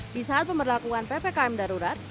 di saat pemberlakuan ppkm darurat